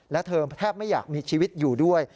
และเธอแทบไม่อยากมีชีวิตอยู่ด้วย